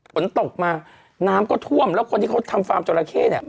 ฝนตกมาน้ำก็ท่วมแล้วคนที่เขาทำฟาร์มจราเข้เนี่ย